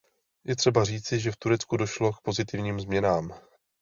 Je třeba říci, že v Turecku došlo k pozitivním změnám.